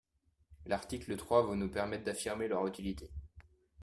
L’article trois va nous permettre d’affirmer leur utilité.